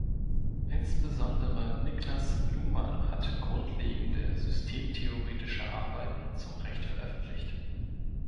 Insbesondere Niklas Luhmann hat grundlegende systemtheoretische Arbeiten zum Recht veröffentlicht.